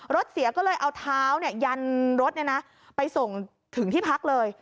รถเสียก็เลยเอาเท้ายันรถไปส่งถึงที่พักเลย